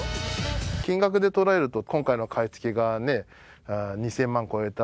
金額で捉えると今回の買い付けがね２０００万超えた